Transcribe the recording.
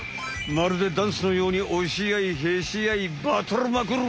まるでダンスのようにおしあいへしあいバトルまくる！